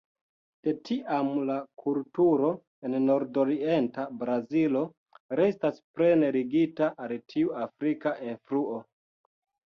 De tiam la kulturo en Nordorienta Brazilo restas plene ligita al tiu afrika influo.